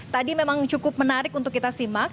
tadi memang cukup menarik untuk kita simak